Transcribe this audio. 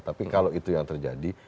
tapi kalau itu yang terjadi